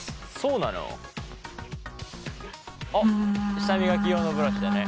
舌磨き用のブラシでね。